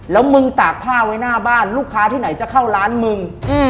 แล้วมึงตากผ้าไว้หน้าบ้านลูกค้าที่ไหนจะเข้าร้านมึง